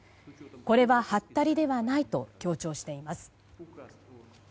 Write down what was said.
これは、はったりではないと強調しています。